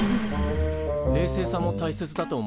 冷静さもたいせつだと思います。